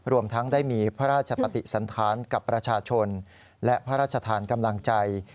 รวมทั้งได้มีพระราชปฏิสันธารกับประชาชนและพระราชทานกำลังใจ